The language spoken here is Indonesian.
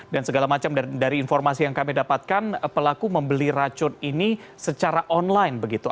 dan segala macam dari informasi yang kami dapatkan pelaku membeli racun ini secara online begitu